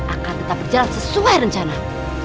akan tetap berjalan sesuai rencana